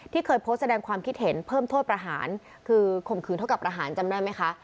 เคยโพสต์แสดงความคิดเห็นเพิ่มโทษประหารคือข่มขืนเท่ากับประหารจำได้ไหมคะ